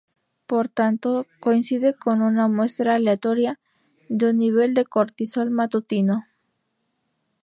Por tanto, coincide con una muestra aleatoria de un nivel de cortisol matutino.